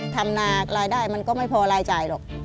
ทำนารายได้มันก็ไม่พอรายจ่ายหรอก